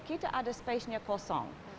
kita ada spasenya kosong